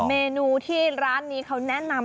เมนูที่ร้านนี้เขาแนะนำ